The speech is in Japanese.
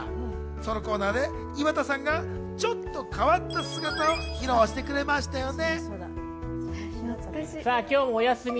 このコーナーで岩田さんがちょっと変わった姿を披露してくれましたよね。